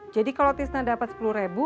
jadi kalo tisna dapet sepuluh ribu